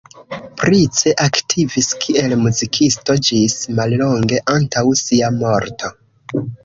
Price aktivis kiel muzikisto ĝis mallonge antaŭ sia morto.